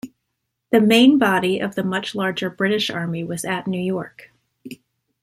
The main body of the much larger British army was at New York.